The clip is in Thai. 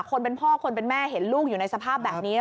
คนเป็นพ่อคนเป็นแม่เห็นลูกอยู่ในสภาพแบบนี้